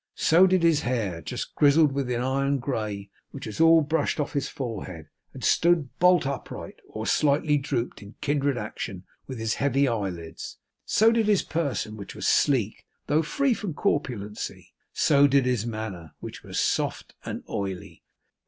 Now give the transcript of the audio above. So did his hair, just grizzled with an iron grey which was all brushed off his forehead, and stood bolt upright, or slightly drooped in kindred action with his heavy eyelids. So did his person, which was sleek though free from corpulency. So did his manner, which was soft and oily.